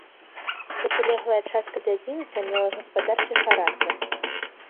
Процілеглая частка дзядзінца мела гаспадарчы характар.